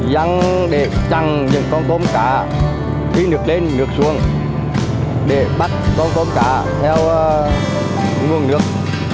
văn để trăng những con cốm cá khi nước lên nước xuống để bắt con cốm cá theo nguồn lực